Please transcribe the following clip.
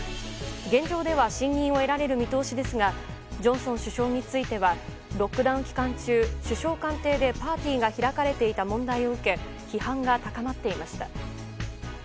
現状では信任を得られる見通しですがジョンソン首相についてはロックダウン期間中首相官邸でパーティーが開かれていた問題を受け批判が高まっていました。